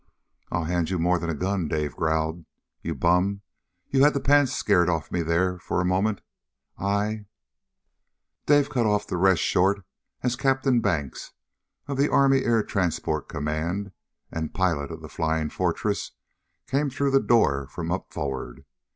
"I'll hand you more than a gun!" Dave growled. "You bum! You had the pants scared off me there for a moment. I " Dave cut off the rest short as Captain Banks, of the Army Air Transport Command, and pilot of the Flying Fortress, came through the door from up forward.